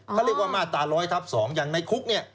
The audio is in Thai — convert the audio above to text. เขาเรียกว่ามาตรา๑๐๐ทับ๒อย่างในคุกเนี่ย